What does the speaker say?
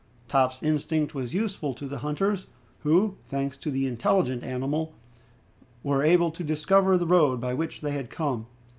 Top's instinct was useful to the hunters, who, thanks to the intelligent animal, were enabled to discover the road by which they had come.